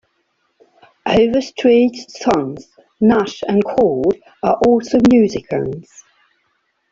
Overstreet's sons, Nash and Chord, are also musicians.